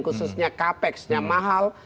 khususnya capexnya mahal